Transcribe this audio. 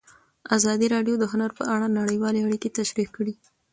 ازادي راډیو د هنر په اړه نړیوالې اړیکې تشریح کړي.